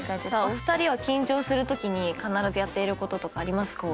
お二人は緊張するときに必ずやっていることとかありますか？